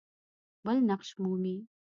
بل نقش مومي.